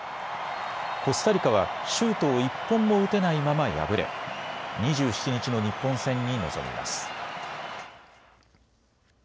コスタリカはシュートを１本も打てないまま敗れ２７日の日本戦に臨みます。